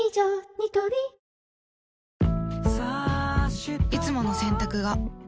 ニトリいつもの洗濯が